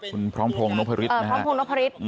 คุณพร้อมพลงนกภริษ